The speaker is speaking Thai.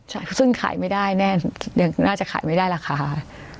ใช่ซึ่งขายไม่ได้แน่น่าจะขายไม่ได้ราคา